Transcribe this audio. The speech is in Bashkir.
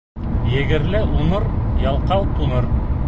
Егәрле уңыр, ялҡау туңыр.